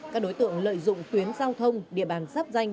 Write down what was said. các đối tượng lợi dụng tuyến giao thông địa bàn sắp danh